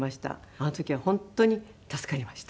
あの時は本当に助かりました。